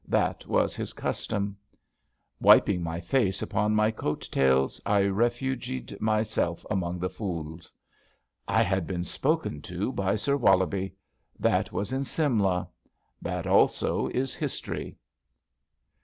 That was his custom. THE HISTORY OF A FALL 57 Wiping my face upon my coat tails I refugied myself among the foules. / had been spoken to by Sir Wollobie. That was in Simla. That also is history.